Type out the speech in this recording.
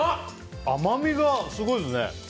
甘みがすごいですね。